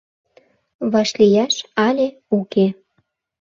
Вашлияш але уке?